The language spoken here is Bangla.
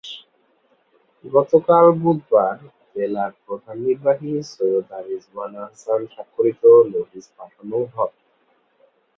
গতকাল বুধবার বেলার প্রধান নির্বাহী সৈয়দা রিজওয়ানা হাসান স্বাক্ষরিত নোটিশ পাঠানো হয়।